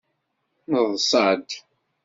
Neḍṣa-d.